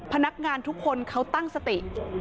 พนักงานทุกคนเขาตั้งสติ